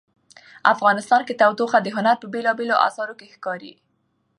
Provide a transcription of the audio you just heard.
افغانستان کې تودوخه د هنر په بېلابېلو اثارو کې ښکاري.